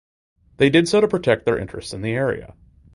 They did so to protect their interests in the area.